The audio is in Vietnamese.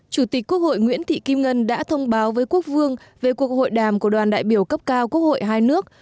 chủ tịch quốc hội nguyễn thị kim ngân đã thông báo với quốc vương về cuộc hội đàm của đoàn đại biểu cấp cao quốc hội hai nước